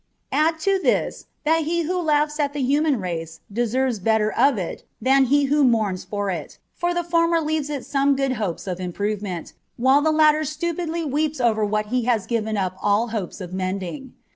Add to this that he who laughs at the human race deserves better of it than he who mourns for it, for the former leaves it some good hopes of improvement, while the latter stupidly weeps over what he has given up all hopes of mending.